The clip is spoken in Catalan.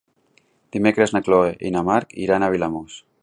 Dimecres na Chloé i en Marc iran a Vilamòs.